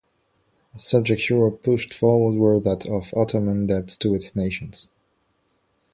A subject Europe pushed forward were that of Ottoman debts to its nations.